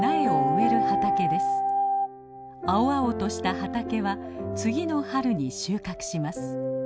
青々とした畑は次の春に収穫します。